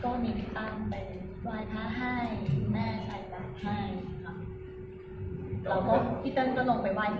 ก็มีตามไปว่ายพระให้แม่ใจรักให้ครับ